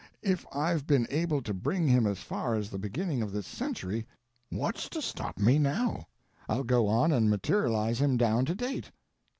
If I've been able to bring him as far as the beginning of this century, what's to stop me now? I'll go on and materialize him down to date."